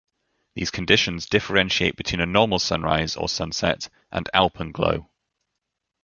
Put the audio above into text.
These conditions differentiate between a normal sunrise or sunset and alpenglow.